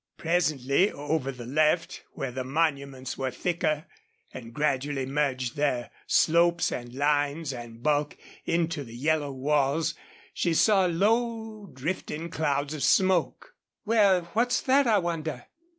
Presently, over the left, where the monuments were thicker, and gradually merged their slopes and lines and bulk into the yellow walls, she saw low, drifting clouds of smoke. "Well, what's that, I wonder?"